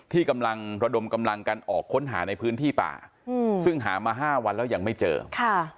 ที่กำลังระดมกำลังกันออกค้นหาในพื้นที่ป่าอืมซึ่งหามาห้าวันแล้วยังไม่เจอค่ะ